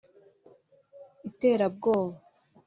itarabwoba